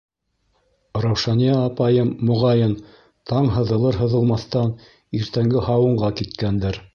Раушания апайым, моғайын, таң һыҙылыр-һыҙылмаҫтан иртәнге һауынға киткәндер.